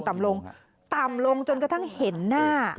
ต่ำลงจนกระทั่งเห็นหน้า